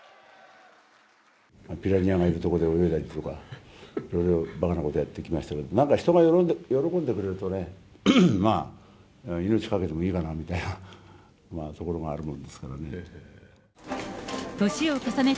ピラニアがいる所で泳いだりとか、いろいろばかなことやってきましたけど、なんか人が喜んでくれるとね、命懸けてもいいかなみたいなところがあるもんですからね。